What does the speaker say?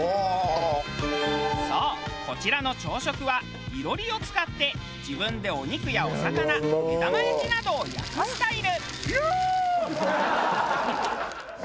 そうこちらの朝食は囲炉裏を使って自分でお肉やお魚目玉焼きなどを焼くスタイル。